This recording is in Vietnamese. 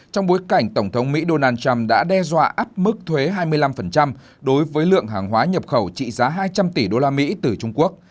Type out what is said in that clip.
trong bối cảnh tổng thống mỹ donald trump đã đe dọa áp mức thuế hai mươi năm đối với lượng hàng hóa nhập khẩu trị giá hai trăm linh tỷ usd từ trung quốc